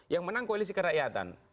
yang menang koalisi kerakyatan